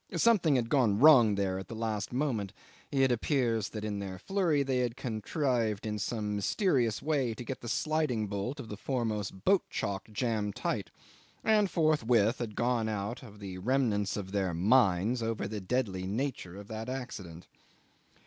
Something had gone wrong there at the last moment. It appears that in their flurry they had contrived in some mysterious way to get the sliding bolt of the foremost boat chock jammed tight, and forthwith had gone out of the remnants of their minds over the deadly nature of that accident.